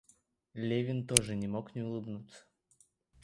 Левин тоже не мог не улыбнуться.